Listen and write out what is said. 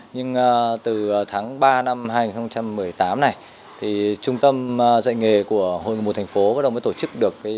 nhưng từ tháng ba năm hai nghìn một mươi tám này trung tâm dạy nghề của hội người mù thành phố mới tổ chức được